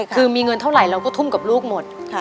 คือมีเงินเท่าไหร่เราก็ทุ่มกับลูกหมด